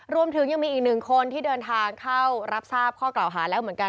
รวมถึงยังมีอีกหนึ่งคนที่เดินทางเข้ารับทราบข้อกล่าวหาแล้วเหมือนกัน